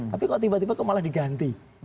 tapi kok tiba tiba kok malah diganti